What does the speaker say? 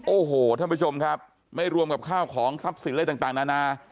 โอ้โหท่านผู้ชมครับไม่รวมกับข้าวของทรัพย์สินอะไรต่างนานา